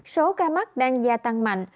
số ca mắc đang gia tăng mạnh